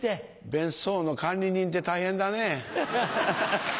別荘の管理人って大変だね。